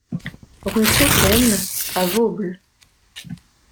Rue Coquaine à Vosbles